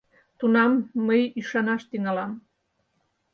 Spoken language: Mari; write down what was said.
Тунам мый ӱшанаш тӱҥалам...